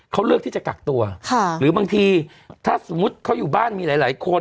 เขาเลือกที่จะกักตัวหรือบางทีถ้าสมมุติเขาอยู่บ้านมีหลายคน